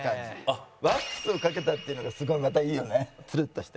ワックスをかけたっていうのがすごいまたいいよねツルッとして。